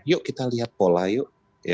yuk kita lihat pola yuk